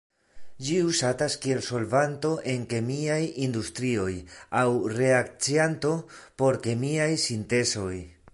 Ĝi uzatas kiel solvanto en kemiaj industrioj aŭ reakcianto por kemiaj sintezoj.